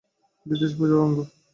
বিদ্বেষও পূজার অঙ্গ।